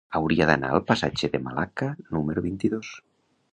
Hauria d'anar al passatge de Malacca número vint-i-dos.